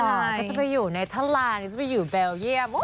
ก็จะไปอยู่ในท่านลานจะไปอยู่เบลเยี่ยม